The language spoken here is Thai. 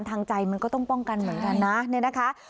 ทางใจมันก็ต้องป้องกันเหมือนกันนะเนี่ยนะคะ